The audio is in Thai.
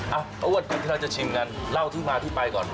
เอาเป็นที่เราจะชิมกันเล่าที่มาที่ไปก่อน